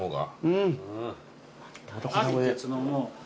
うん。